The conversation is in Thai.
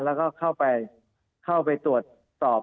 แล้วก็เข้าไปตรวจสอบ